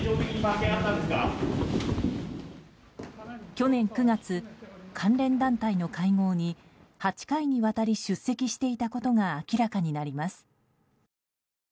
去年９月、関連団体の会合に８回にわたり出席していたことが明らかになります。